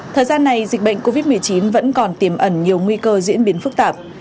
thời gian này dịch bệnh covid một mươi chín vẫn còn tiềm ẩn nhiều nguy cơ diễn biến phức tạp